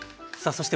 そして